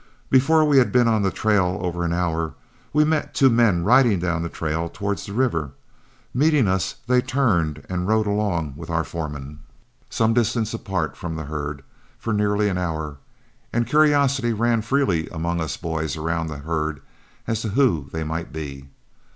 Before we had been on the trail over an hour, we met two men riding down the trail towards the river. Meeting us, they turned and rode along with our foreman, some distance apart from the herd, for nearly an hour, and curiosity ran freely among us boys around the herd as to who they might be.